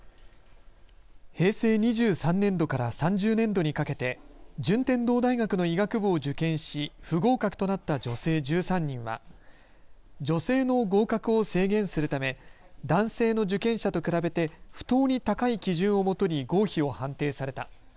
平成２３年度から３０年度にかけて順天堂大学の医学部を受験し不合格となった女性１３人は女性の合格を制限するため男性の受験者と比べて不当に高い基準をもとに合否を判定された。